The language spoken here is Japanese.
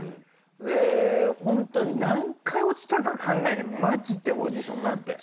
でほんと何回落ちたか分かんないねまじでオーディションなんて。